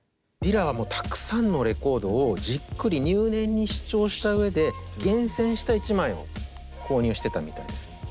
ディラはもうたくさんのレコードをじっくり入念に試聴した上で厳選した一枚を購入してたみたいです。